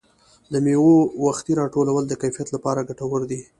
د مېوو وختي راټولول د کیفیت لپاره ګټور دي.